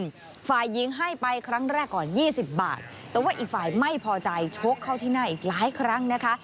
ฝ่ายหญิงให้ไปครั้งแรกก่อน๒๐บาทแต่ว่าอีกฝ่ายไม่พอใจชกเข้าที่หน้าอีกหลายครั้งนะคะ